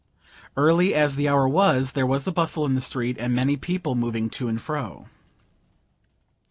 Early as the hour was, there was a bustle in the street and many people moving to and fro.